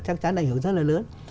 chắc chắn đảnh hưởng rất là lớn